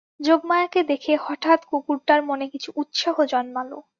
যোগমায়াকে দেখে হঠাৎ কুকুরটার মনে কিছু উৎসাহ জন্মালো।